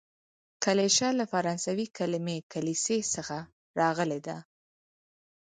کلیشه له فرانسوي کليمې کلیسې څخه راغلې ده.